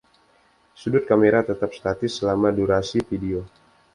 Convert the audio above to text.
Sudut kamera tetap statis selama durasi video.